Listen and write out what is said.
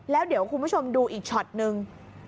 แล้วเดี๋ยวคุณผู้ชมดูอีกช็อตนึง